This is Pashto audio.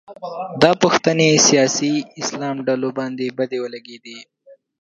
دا پوښتنې سیاسي اسلام ډلو باندې بدې ولګېدې